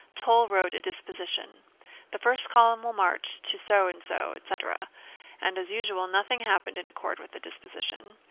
Toll wrote a disposition: "The first column will march to so and so," etc. And as usual nothing happened in accord with the disposition.